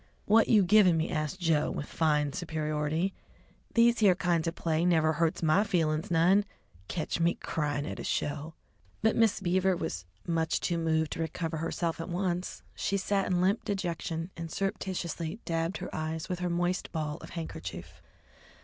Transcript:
"What you givin' me?" asked Joe, with fine superiority. "These here kinds of play never hurts my feelin's none. Catch me cryin' at a show!" But Miss Beaver was too much moved to recover herself at once. She sat in limp dejection and surreptitiously dabbed her eyes with her moist ball of a handkerchief.